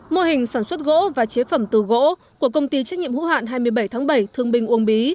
mô hình sản xuất gỗ và chế phẩm từ gỗ của công ty trách nhiệm hữu hạn hai mươi bảy tháng bảy thương bình uông bí